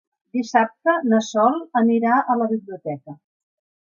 Dissabte na Sol anirà a la biblioteca.